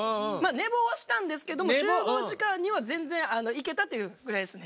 寝坊はしたんですけど集合時間には全然あの行けたっていうぐらいですね。